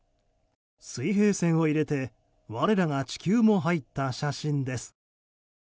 水平線を入れて我らが地球も入った写真です。